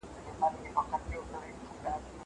زه به سبا لوښي وچوم وم!